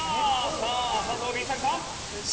さあ佐藤Ｂ作さん。